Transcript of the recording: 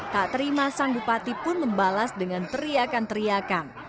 tak terima sang bupati pun membalas dengan teriakan teriakan